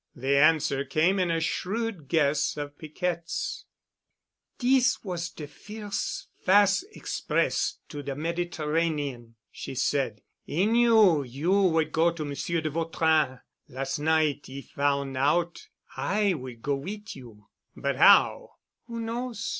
The answer came in a shrewd guess of Piquette's. "Dis was de firs' fas' express to de Mediterranean," she said. "'E knew you would go to Monsieur de Vautrin. Las' night 'e foun' out I would go wit' you." "But how——?" "Who knows——?"